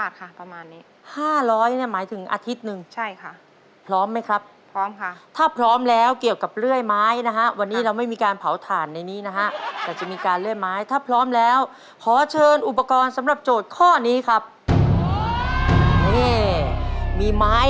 จริงแล้วเรามีอาชีพเขาถ่าย